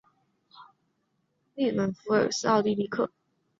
利本弗尔斯是奥地利克恩顿州格兰河畔圣法伊特县的一个市镇。